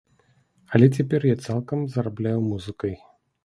Але цяпер я цалкам зарабляю музыкай.